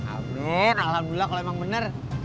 aduh alhamdulillah kalau emang bener